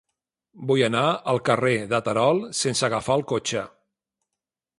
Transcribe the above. Vull anar al carrer de Terol sense agafar el cotxe.